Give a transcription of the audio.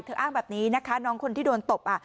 อ้างแบบนี้นะคะน้องคนที่โดนตบ